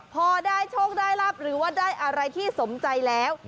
พอได้โชคได้รับหรือว่าได้อะไรที่สมใจแล้ว